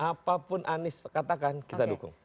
apapun anies katakan kita dukung